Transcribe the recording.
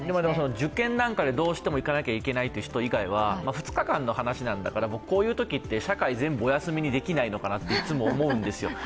受験なんかでどうしても行かなきゃいけないという人以外は２日間の話なんだからこういうとき、社会全部お休みにできないかなって思うんですよ。